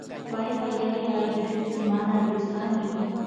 paypa yaya ayllushuti mana Ruíz kanchu